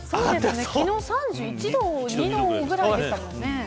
昨日は３１度、３２度ぐらいでしたもんね。